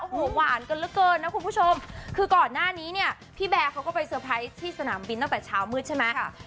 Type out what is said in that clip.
หวานกันเหลือเกินนะคุณผู้ชม